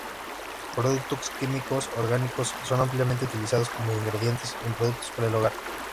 Productos químicos orgánicos son ampliamente utilizados como ingredientes en productos para el hogar.